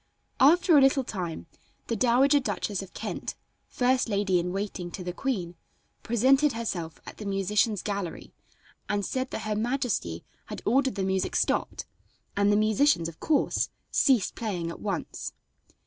After a little time the Dowager Duchess of Kent, first lady in waiting to the queen, presented herself at the musicians' gallery and said that her majesty had ordered the music stopped, and the musicians, of course, ceased playing at once.